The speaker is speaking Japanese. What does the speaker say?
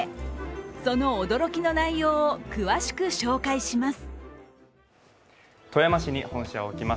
その驚きの内容を詳しく紹介します。